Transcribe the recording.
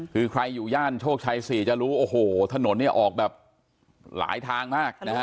คือใครอยู่ย่านโชคชัย๔จะรู้โอ้โหถนนเนี่ยออกแบบหลายทางมากนะฮะ